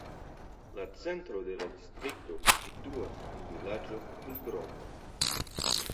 La centro de la distrikto situas en vilaĝo Ulbroka.